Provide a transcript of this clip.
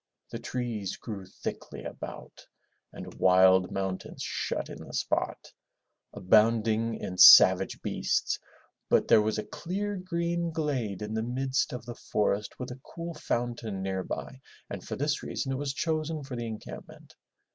The trees grew thickly about, and wild mountains shut in the spot, abounding in savage beasts, but there was a clear green glade in the midst of the forest with a cool fountain near by and for this reason it was chosen for the encamp ment.